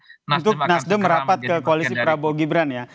untuk nasdem merapat ke koalisi prabowo gibran ya